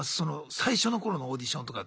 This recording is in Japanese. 最初の頃のオーディションとかって。